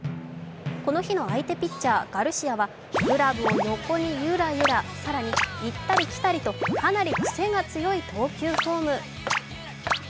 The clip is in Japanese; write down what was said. この日の相手ピッチャー・ガルシアはグラブを横にゆらゆら、更に行ったり来たりとかなりクセが強い投球フォーム。